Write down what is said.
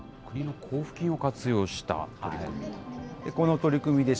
国の交付金を活用した取り組み。